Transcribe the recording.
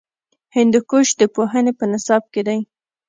هندوکش د پوهنې په نصاب کې دی.